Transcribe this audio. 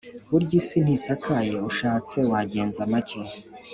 Bury’isi ntisakaye ushatse wagenza make